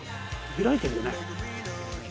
開いてるよね。